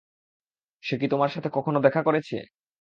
সে কি তোমার সাথে কখনো দেখা করেছে?